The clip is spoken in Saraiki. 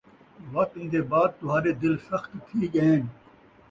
وَت ایندے بعد تُہاݙے دِل سخت تِھی ڳئن